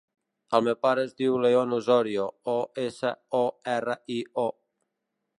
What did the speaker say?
El meu pare es diu León Osorio: o, essa, o, erra, i, o.